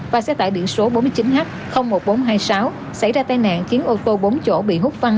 và xe tải biển số bốn mươi chín h một nghìn bốn trăm hai mươi sáu xảy ra tai nạn khiến ô tô bốn chỗ bị hút văng